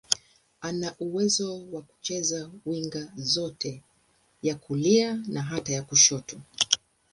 Ana uwezo wa kucheza winga zote, ya kulia na hata ya kushoto.